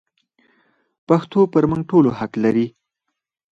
پښتو پر موږ ټولو حق لري.